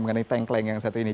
mengenai tengkleng yang satu ini